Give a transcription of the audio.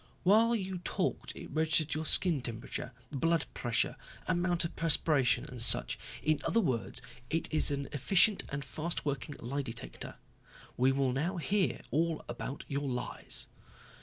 While you talked it registered your skin temperature, blood pressure, amount of perspiration and such. In other words it is an efficient and fast working lie detector. We will now hear all about your lies."